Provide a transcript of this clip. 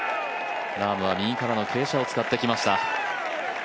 ラームは右からの傾斜を使ってきました。